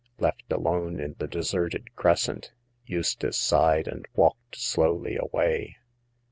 Left alone in the deserted crescent, Eus tace sighed and walked slowly away.